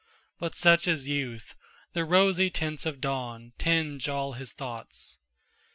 But such is youth; the rosy tints of dawn Tinge all his thoughts.